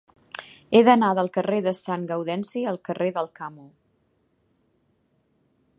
He d'anar del carrer de Sant Gaudenci al carrer d'Alcamo.